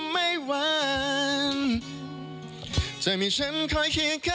มันหวานมากเลย